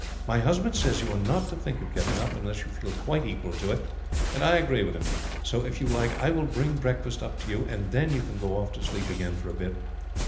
"My husband says you are not to think of getting up unless you feel quite equal to it, and I agree with him; so if you like I will bring breakfast up to you, and then you can go off to sleep again for a bit."